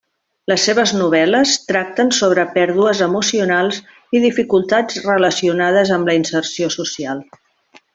Les seves novel·les tracten sobre pèrdues emocionals i dificultats relacionades amb la inserció social.